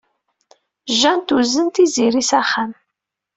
Jane tuzen Tiziri s axxam.